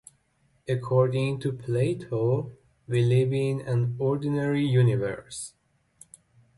According to Plato, we live in an orderly universe.